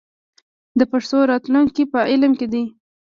د پښتو راتلونکی په علم کې دی.